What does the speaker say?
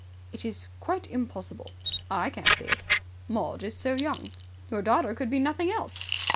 "It is quite impossible." "I can't see it." "Maud is so young." "Your daughter could be nothing else."